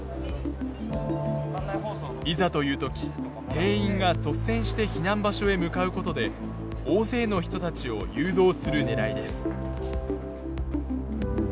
いざという時店員が率先して避難場所へ向かうことで大勢の人たちを誘導するねらいです。